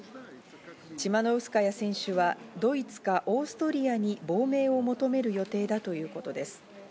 チマノウスカヤ選手はドイツかオーストリアに亡命を求める予定だということです。